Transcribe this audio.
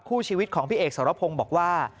คู่ชีวิตของพี่เอกสรพงศ์บอกว่า